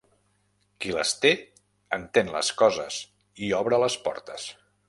Qui les té entén les coses i obre les portes.